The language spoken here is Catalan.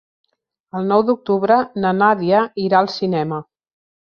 El nou d'octubre na Nàdia irà al cinema.